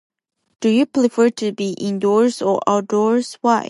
Do you prefer to be indoors or outdoors? Why?